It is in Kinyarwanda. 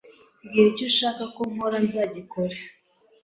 Mbwira icyo ushaka ko nkora nzagikora.